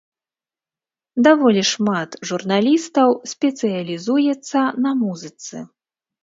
Даволі шмат журналістаў спецыялізуецца на музыцы.